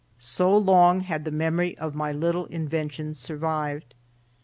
So long had the memory of my little inventions survived.